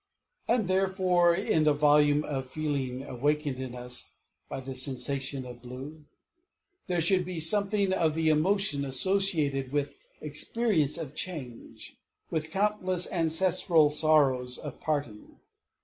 And therefore in the volume of feeling awakened in us by the sensation of blue, there should be something of the emotion associated with experience of change, with countless ancestral sorrows of parting.